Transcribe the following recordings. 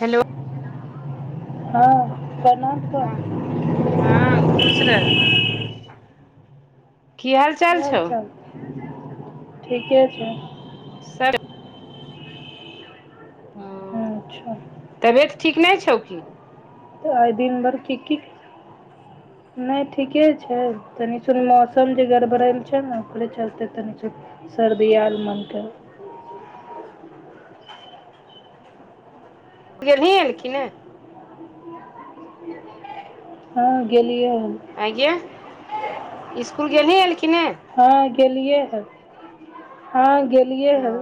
Hello हँ प्रणाम सऽ हँ हँ खुश रह हाल की चाल छौ हालचाल ठीके छै सर हँ अच्छा तबियत ठीक नहि छौ कि तऽ आइ दिन भर कि की नहि ठीके छै तनिसनी मौसम जे गड़बड़ल छै ने ओकरे चलते तनिस सर्दी याल मोन गेलही एलखिन ने हँ गेलियै हन आंयगे इसकुल गेलही हन की नै हँ गेलियै हँ हँ गेलियै ओ हँ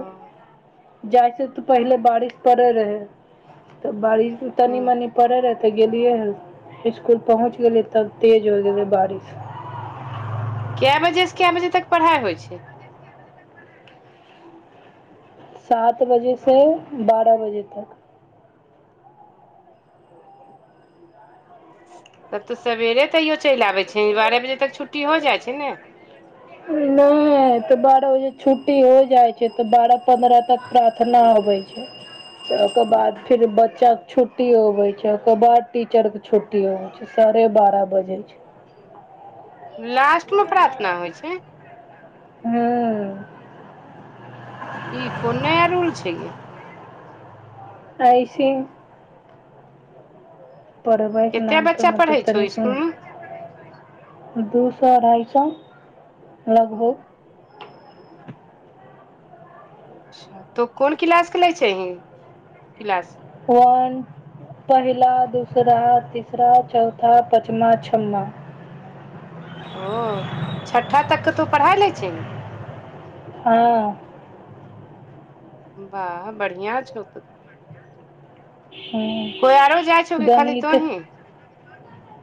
जाइसँ तऽ पहिले बारिश पड़ै रहै तऽ बारिश तनी ह मनी पड़े रहै तऽ गेलियै हन इसकुल पहुँच गेलियै तब तेज हो गेलै बारिश कए बजे से कए बजे तक पढ़ाइ होइ छै सात बजे से बारह बजे तक तब तऽ सबेरे तैयो च इल आबै छै बारह बजे तक छुट्टी हो जाइ छै ने नहि ह तऽ बारह बजे छुट्टी हो जाइ छै तऽ बारह पन्द्रह तक प्रार्थना होबै छै तऽ ओकर बाद फिर बच्चाक के छुट्टी अबै छै ओकर बाद टीचर के छुट्टी अबैछै साढ़े बारह बजै छै लास्ट मे प्रार्थना होइ छै हं ई को नया रूल छै गे आइसी परबाइ एक कते नाम पर बच्चा मत पढ़ै तनी छौ सुन स्कुल मे दू सए अढ़ाइ सए लगभग अच्छा तो कोन किलास के लै छै हीं किलास वन पहिला दूसरा तीसरा चौथा पचमा छम्मा ओ छठा तक के तू पढ़ाय ले छही हँ वाह बढ़िया छौ त कोई आरो जाइ छौ हँ कि खाली गणित तोहीं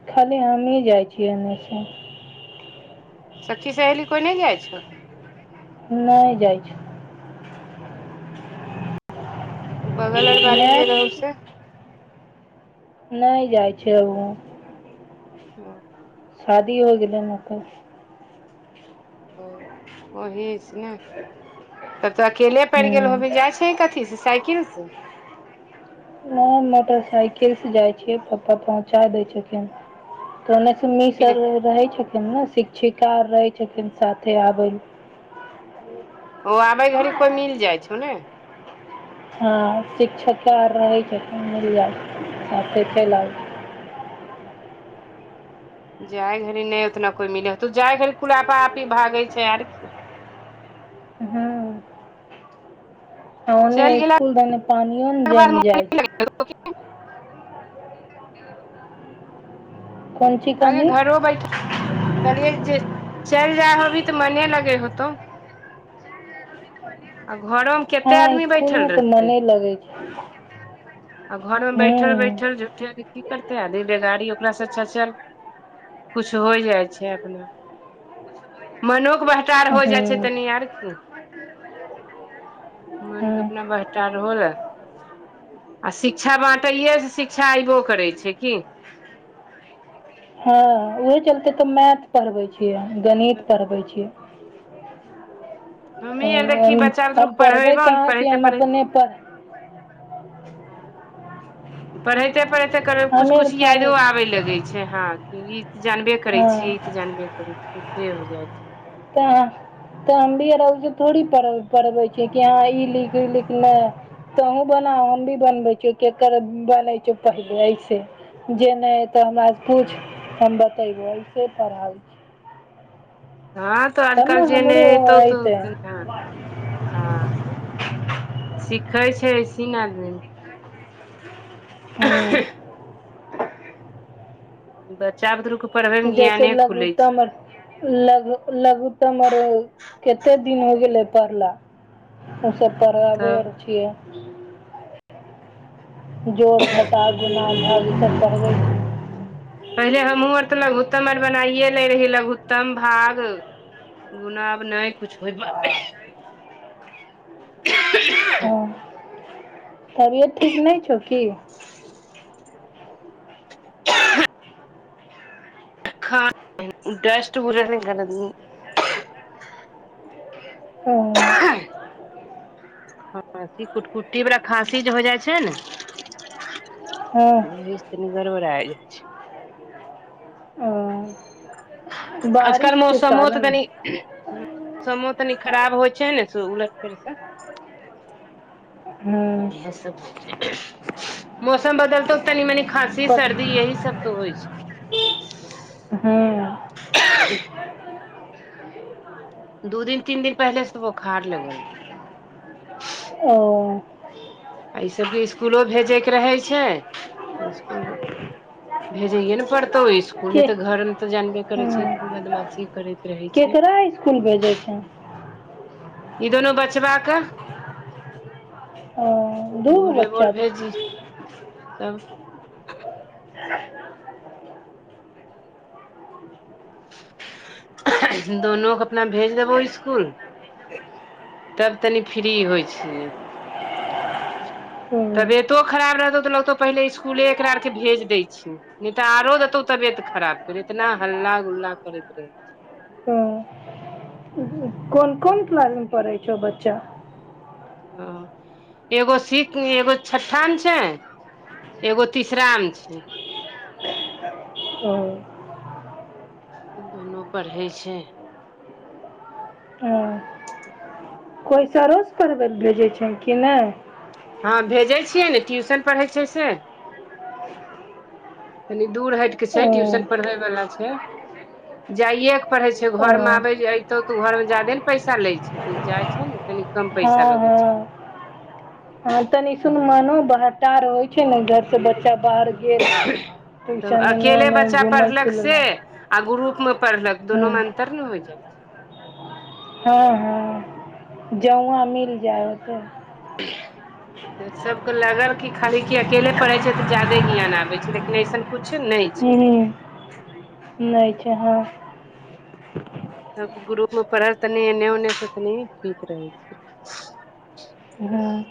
खाली हमहीं जाइ छी एम्हर सँ सखी सहेली कोइ नहि जाइ छौ नहि जाइ छौ बगल आर बाली जे रहौ नहि से नहि जाइ छै ओ हँ शादी हो गेलै नऽ तऽ ओ ओहिसँ [inaudible] तब तऽ अकेले पड़ि गेल होबहीन हूँ जाइ छीहीन कथी से साइकिल से नहि मोटरसाइकिल से जाइ छियै फप्पा पहुँचा दै छथिन ओने से मिस फिर आर रहै छथिन ने शिक्षिका आर रहै छथिन साथे आबै मे ओ आबै घड़ी कोइ मिल जाइ छौ नै हँ शिक्षिका आर रहै छथिन मिल जाइ साथे चलि आबैत छियै। जाय घड़ी नहि उतना कोइ मिलै होतौ जाय घड़ी कुला आपा आपी भागै छै आर की। हँ हँ ओने चलि गेलाके इसकुल दने पानिओ ने बाद जैम मोन जाइ छौ [inaudible] कोन चीज आँय गे कहनी घरो बैठ कहलियै जे चलि जाय होबही तऽ मने लगै होतौ। आ घरोमे हँ स्कूल मे तऽ मने लगे छै आ घरमे बैठल बैठल हूँ झुठे के की करते आदमी बेगारी ओकरासँ छचल कुछ होइ जाइ छै अपना मनोक भा हो जाइ छै हूँ तनि आर की मन के हूँ अपना [unintelligible] तर होल आ शिक्षा बाँटैयेसँ शिक्षा अऐबो करै छै की हँ उहे चलते तऽ मैथ पढ़बे छियै गणित पढ़बै छियै। हमही आर देखी बच्चा [inaudible] हम बुतरुक पढ़बै कहाँ छियै हम अपने पढ़ हँ पढ़ैते पढ़ैते कर कुछ कुछ हमे कुछ पढ़ै याइदो आबे लगै छै हँ कि ई तऽ जानबे करै हँ छियै ई तऽ जानबे करै छियै से हो जाइ छै तऽ तऽ हम भीरहुसँ थोड़ी पढ़बै छियै कि हँ ई लिख ई लिख नहि तोहुँ बना हम भी बनबै छियौ केकर बनै छै पहिले ऐसे जे नहि तऽ हमरासँ पूछ हँ हम बतैबौ अइसे पढ़ाइ हँ तऽ तब आजकल ने जे हमरो नहि एतौ तऽ अयतै हँ सिखै छै ऐसही नऽ आदमी हँ बच्चा बुदरुके जैसे लघुत्तम आर लग लघुत्तम आर केत्ते दिन हो गेलै पढ़ला। उ सभ पढ़ाबै तब आर छियै। जोड़ घटा गुना भाग ई सब पढ़बै। छियै पहिले हमहूँ आर तऽ लघुत्तम आर बनाइये लै रहीयै लघुत्तम भाग गुणा आब नहि कुछ होइ पाबै हम। हँ तबियत ठीक नहि छौ की खा डस्ट बर [unintelligible] कर ओ ह ई कुटकुट्टी बला खाँसी जे हो जाइ छै ने तै हँ से तनि गरबड़ा जाइ छै ओ अजकल बारिशके मौसम ओ तऽ कारण तनी मौसमो तनी खराब होइ छै ने उलट फेर से हँ इएह सब होइ छै मौसम बदलतो तनी मनी खाँसी पक सर्दी यही सब तो होइ छै हँ दू दिन तीन दिन पहिले से बोखार लगल ओ आ ई सबके स्कूलो भेजेके रहे छै स्कूल ‌ [unintelligible] कतहु स्कूल नहि के तऽ घर मे तऽ जानबे करै छै खूब हँ बदमाशी करैत रहै छै केकरा इसकुल भेजै छै ई दुनू बचबा कऽ ओ दू गो भोरे भोर बच्चा छै भेजी तब दुनू के अपना भेज देबौ स्कूल तब तनि फ्री होइ छिय हँ तबियत कतो खरा रहतौ तऽ लगतो पहिले स्कूल एकरा आर के भेज देय छीे नहि तऽ आरो देतौ तबियत खराब केर इतना हल्ला गुल्ला करैत रहे ह कोन कोन क्लास मे पढ़ै छौ बच्चा ह एगो ‌सिक एगो ‌छठ्ठाम छै एगो तीसरा मऽ छै ओ दुनू पढ़ै छै ओ [unintelligible] कोइ सरोस पर भेजै छै कि नहि हँ भेजै छियै नऽ ट्यूशन पढ़ै छै से तनी दूर हट कऽ छै ओ ट्यूशन पढ़ै वला छै जाइए के पड़े छै ओ घर में आबे ऐतौ तू घर में जादे नऽ पैसा ले छै त जाइ छैय नऽ तऽ तनि कम हँ पैसा लगै हँ छै हँ तनि हूँ सुनमनो बहटार होइ छै ने घर से बच्चा बाहर गेल तब ट्यूशन एन्ने अकेले ओन्ने बच्चा घूमल पढ़लक फिरल से आ ग्रुप में पढ़लक दुनु हँ में अंतर ने हो जाय हँ हँ जउआँ मिल जाएतऽ [unintelligible] सभके लगल कि खाली क अकेले पढ़ै छै तऽ ज्यादे ज्ञान आबै छै लेकिन अइसन कुछ नहि [unintelligible] छै नहि छै हाँ त ग्रुप पढ़ल तनी एने ओने से तनी ठीक रहै छै हँ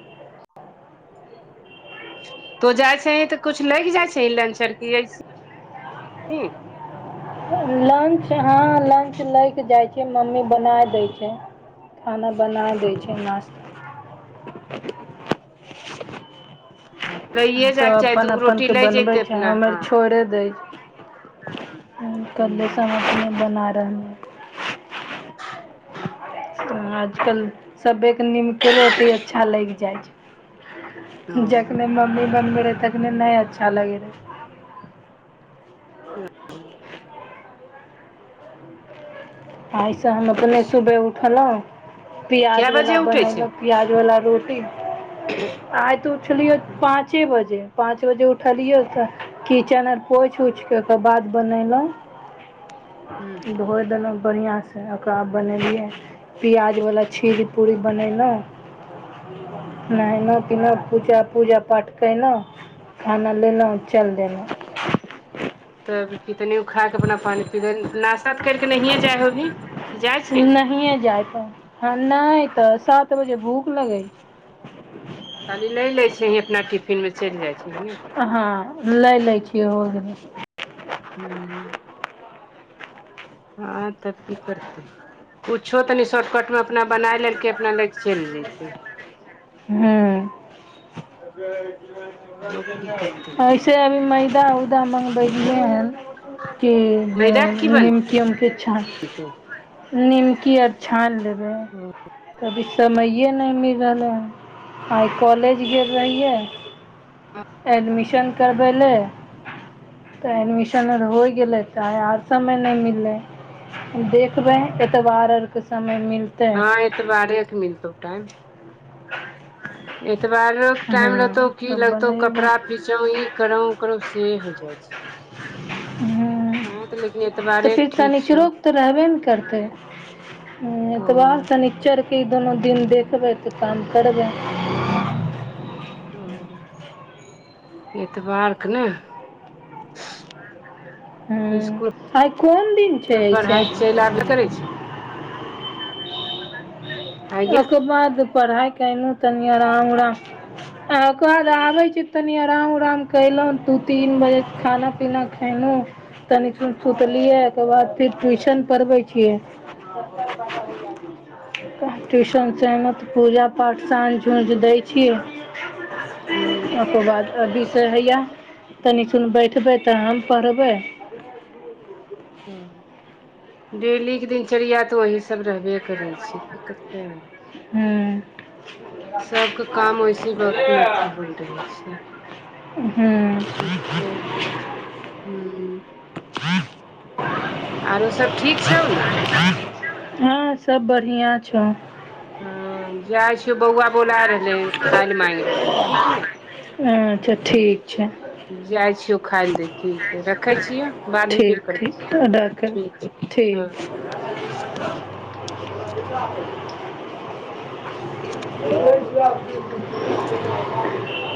तो जाइ छिहि तऽ कुछ लगि जाइ छै लंच की एसही [unintelligible] लंच हँ लंच लैके जाइ छिय मम्मी बना दै छै खाना बना दै ओ छै नाश्ता [unintelligible] सभ जायके चाही अपन दूगो अपन रोटी के लै बनबै जयतै छै अपना हँ हमर छोड़ि दै छै कल्सम ह अपने बना रहे ह हू आजकल सबेके नीमके रोटी अच्छा लागि जाइ ओ छै जखने मम्मी बनबैत रहय तखने नहि अच्छा लगै रहै [inaudible] आ एहिइसँ हम अपने सुबह उठलहूँ कए पिआजवला बजे उठै छै बनेलहुँ पियाज बला रोटी आइ त उठलियौ पाँचे बजे पाँच बजे उठलियै तऽ किचन आर पोछि उछिक क ओक बाद बनेलहुँ हूँ धोइ देलहुँ बढ़िआसँ ओकरा बाद बनेलियै पियाज वला छीर पूरी बनयलहुँ नहेलहु पीलहुँ पूजा पूजा पाठ केलहुँ खाना लेलऽ हुँ चलि देलहुँ तब की तनि खा क अपना पानि पी दे नाशा नहियै करके जैयए जाइ होभी ही नहिए जायत ह नहि तऽ सात बजे भूख लगे खाली लऽ लै छै ही अपना टिफिन मे चलि जाइ छै ने हाँ लै लै छियै हो गेलै हू हँ तऽ की करतै कुछो तनी शॉर्टकट मे अपना बनाय लेलकै अपना लै कऽ चलि जेतै हू आरो की करतै एसे से अभी मैदा उदा मँगबेलियै हन कि जे मैदाके की निमकि उमकि छान बनतै निमकी आओर छानि लेबै ओ कभी समये नहि मिलल हन आइ कॉलेज गेल रहियै हँ एडमिशन करबै ले तऽ एडमिशन आर होइ गेलै तऽ आर समय नेई मिललै देखबै, एतबार आर के समय मिल हँ एतबारेके मिलतौ टाइम एतबारो के हँ टाइम रहतौ की तब लगतौ बनैबै कपड़ा फीचो ई करो ओ करो से हो जाय छै [inaudible] ह्म हँ तऽ लेकिन तऽ एतबारे फेर ठीक छौ शनिचरोके तऽ रहबे ने करतै हू ओ एतबार शनिचरके ई दुनू दिन देखबै तऽ काम करबै ओ एतबारके ने हँ इस्कुल आइ कोन दिन छै अइसे पढ़ाइ चलि आबे ने करै छी आइ गे ओकर बाद पढ़ाइ कयलौं तनी आराम ओराम आ ओकर बाद आबै छी तनी आराम उराम कयलहुँ दू तीन बजे खाना पीना खेलहु तनी सुत सुतलियै ओ बाद फेर ट्यूशन पढ़बै छियै [unintelligible] ट्यूशन से एलौं तऽ पूजा पाठ साँझ उंझ दै छी हू ओकर बाद अभी से हइए तनिसन बैठबै तऽ हम पढ़बै ओ डेली के दिनचर्या तऽ वही सब रहबे करै छी की करते हॅं सबके काम वैसे बहुत अथी [unintelligible] होल रहै छै हू ठीके हू आरो सभ ठीक छौ ने हँ सब बढ़िया छौ हऽ जाइ छियौ बौआ बोला रहले खाय लऽ मागि रहलै ठीक ने अच्छा ठीक छै जाइ छियौ खाय ले दै ले ठीक रखै छियौ, बादमे ठीक फेर करबौ। ठीक फेर राखै ठीक छै हँ। ठीक [unintelligible]